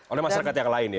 oleh masyarakat yang lain ya